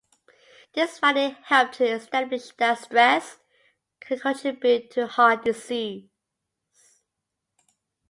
This finding helped to establish that stress can contribute to heart disease.